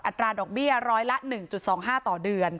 ตราดอกเบี้ยร้อยละ๑๒๕ต่อเดือน